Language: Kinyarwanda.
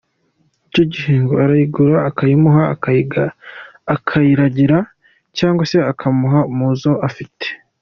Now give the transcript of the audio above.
Icyo gihe ngo arayigura akayimuha akayiragira cyangwa se akamuha mu zo afite.